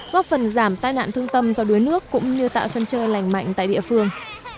góp phần giảm tai nạn thương tâm do đuối nước cũng như tạo sân chơi lành mạnh tại địa phương